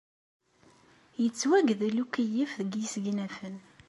Yettwagdel ukeyyef deg yisegnafen.